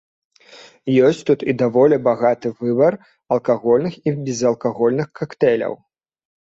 Ёсць тут і даволі багаты выбар алкагольных і безалкагольных кактэйляў.